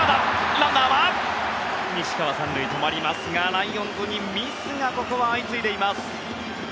ランナーは西川３塁、止まりますがライオンズにミスがここは相次いでいます。